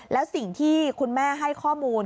แล้วสิ่งที่คุณแม่ให้ข้อมูล